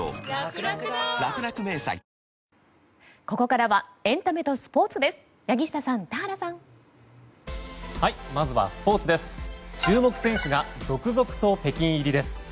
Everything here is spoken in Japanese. ここからはエンタメとスポーツです。